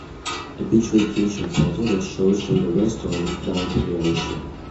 A beach vacation photo that shows from the restaurant down to the ocean.